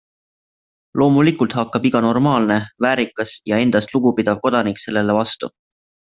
Loomulikult hakkab iga normaalne, väärikas ja endast lugu pidav kodanik sellele vastu.